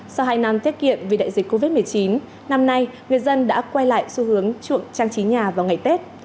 sau hai năm tiết kiệm vì đại dịch covid một mươi chín năm nay người dân đã quay lại xu hướng chuộng trang trí nhà vào ngày tết